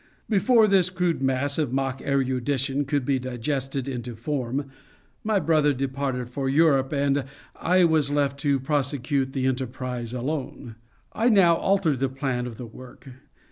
Before this crude mass of mock erudition could be digested into form, my brother departed for Europe, and I was left to prosecute the enterprise alone. I now altered the plan of the work.